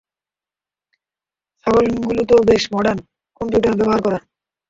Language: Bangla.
ছাগলগুলো তো বেশ মর্ডান কম্পিউটার ব্যবহার করে।